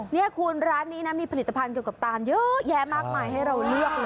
นี่คุณร้านนี้นะมีผลิตภัณฑ์เกี่ยวกับตานเยอะแยะมากมายให้เราเลือกเลย